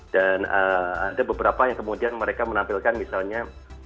ada beberapa yang kemudian mereka menampilkan misalnya